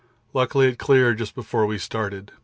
Luckily it cleared just before we started.